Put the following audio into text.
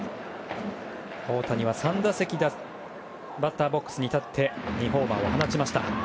大谷は３打席バッターボックスに立って２ホーマーを放ちました。